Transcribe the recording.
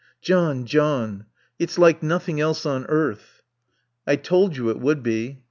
"John John It's like nothing else on earth." "I told you it would be."